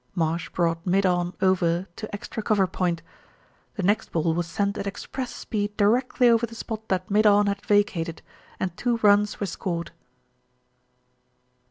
Marsh brought mid on over to extra cover point. The next ball was sent at express speed directly over the spot that mid on had vacated, and two runs were scored.